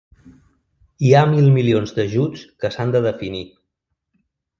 Hi ha mil milions d’ajuts que s’han de definir.